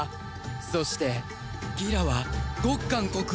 そしてギラはゴッカン国王